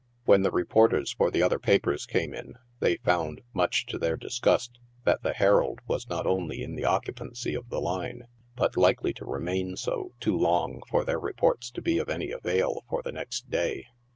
When the reporters for the other papers camein, they found, much to their disgust, that the Herald was not only in the occupancy of the line, but likely to remain so too long for their reports to be of any avail for the next day.